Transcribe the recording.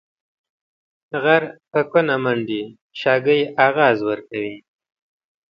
غر په کونه منډي ، شاگى اغاز ورکوي.